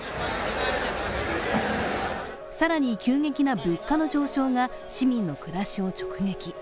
更に急激な物価の上昇が市民の暮らしを直撃。